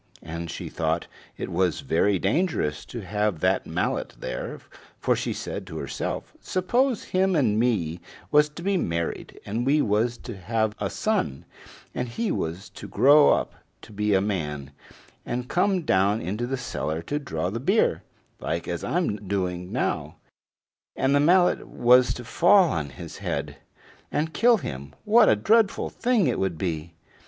And she thought it was very dangerous to have that mallet there, for she said to herself: "Suppose him and me was to be married, and we was to have a son, and he was to grow up to be a man, and come down into the cellar to draw the beer, like as I'm doing now, and the mallet was to fall on his head and kill him, what a dreadful thing it would be!"